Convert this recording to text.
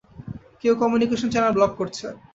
কেউ communication channel block করছে।